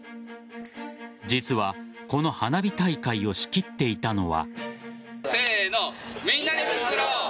実はこの花火大会を仕切っていたのは。